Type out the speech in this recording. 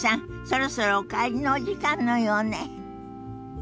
そろそろお帰りのお時間のようね。